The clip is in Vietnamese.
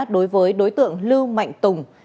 đối với đối tượng lưu mạnh tùng